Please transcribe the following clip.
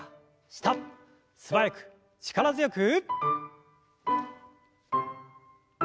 素早く力強く。